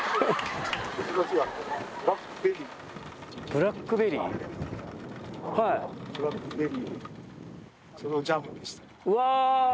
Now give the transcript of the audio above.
ブラックベリー？え！